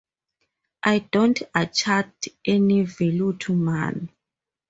I don't attach any value to money.